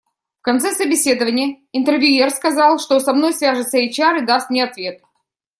В конце собеседования интервьюер сказал, что со мной свяжется HR и даст мне ответ.